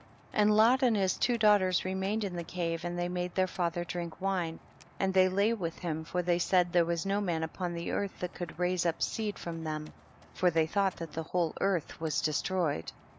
57. And Lot and his two daugh ters remained in the cave, and they made their father drink wine, and they lay with him, for they said there was no man upon earth that could raise up seed from them, for they tliought that the whole earth was destroyed.